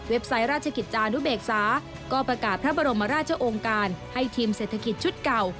ไซต์ราชกิจจานุเบกษาก็ประกาศพระบรมราชองค์การให้ทีมเศรษฐกิจชุดเก่า